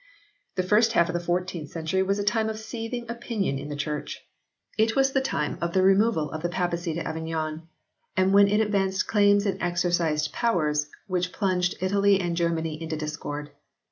The first half of the fourteenth century was a time of seething opinion in the Church. It was the time of the removal of the Papacy to Avignon and when it advanced claims and exercised powers which plunged Italy and Germany into discord.